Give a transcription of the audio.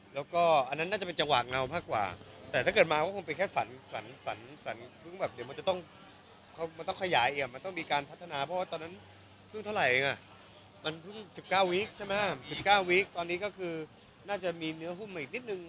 ตอนนั้นต้อง๒๘อาทิตย์ต้องว่าจะเห็นแบบเห็นความรู้สึกของหน้าตาจริง